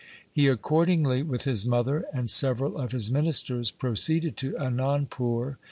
He accordingly, with his mother and several of his ministers, pro ceeded to Anandpur.